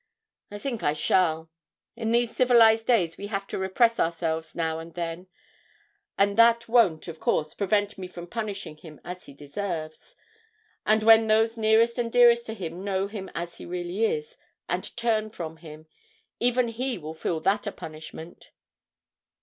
I think I shall; in these civilised days we have to repress ourselves now and then, but that won't, of course, prevent me from punishing him as he deserves; and, when those nearest and dearest to him know him as he really is, and turn from him, even he will feel that a punishment!'